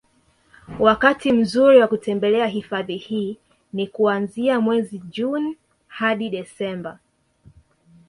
wakati mzuri wa kutembelea hifadhi hii ni kuanzia mwezi June hadi Desemba